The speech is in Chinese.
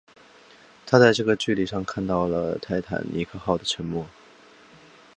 他在这个距离看到了泰坦尼克号的沉没。